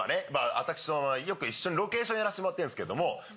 私よく一緒にロケーションやらせてもらってるんですけども。